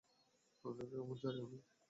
কেমনে ছাড়ি আমি?